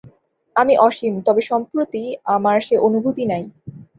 আমি অসীম, তবে সম্প্রতি আমার সে অনুভূতি নাই।